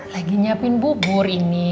lagi nyiapin bubur ini